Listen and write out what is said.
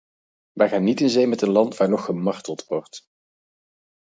Wij gaan niet in zee met een land waar nog gemarteld wordt.